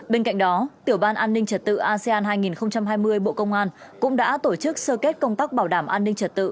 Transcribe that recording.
bên cạnh đó tiểu ban an ninh trật tự asean hai nghìn hai mươi bộ công an cũng đã tổ chức sơ kết công tác bảo đảm an ninh trật tự